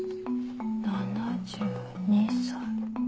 ７２歳。